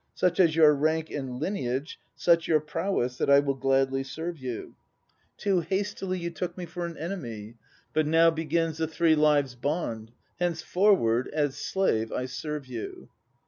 Such are your rank and lineage, such your prowess That I will gladly serve you. 86 THE NO PLAYS OF JAPAN Too hastily you took me for an enemy; but now begins A three lives' bond ; henceforward x As slave I serve you."